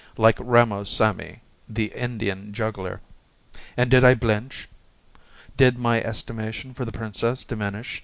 like Ramo Samee, the Indian juggler. And did I blench? Did my estimation for the Princess diminish?